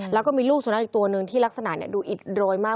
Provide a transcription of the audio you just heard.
แล้วก็มีลูกสุนัขอีกตัวหนึ่งที่ลักษณะดูอิดโรยมาก